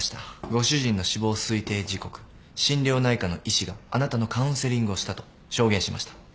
ご主人の死亡推定時刻心療内科の医師があなたのカウンセリングをしたと証言しました。